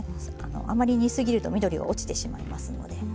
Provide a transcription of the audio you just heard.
あまり煮過ぎると緑が落ちてしまいますので。